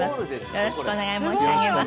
よろしくお願い申し上げます。